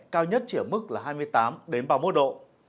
cao nhất chỉ ở mức là hai mươi tám ba mươi một độ